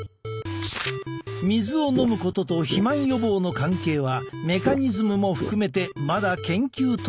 水を飲むことと肥満予防の関係はメカニズムも含めてまだ研究途上だ。